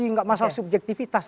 tidak masalah subjektivitas